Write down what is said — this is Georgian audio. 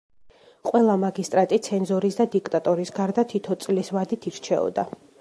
ყველა მაგისტრატი ცენზორის და დიქტატორის გარდა თითო წლის ვადით ირჩეოდა.